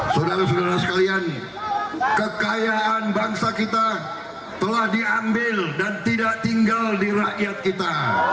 saudara saudara sekalian kekayaan bangsa kita telah diambil dan tidak tinggal di rakyat kita